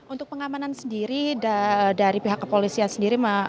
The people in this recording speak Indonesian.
untuk pengamanan sendiri dari pihak kepolisian sendiri